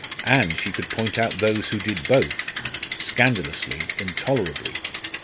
And she could point out those who did both scandalously, intolerably.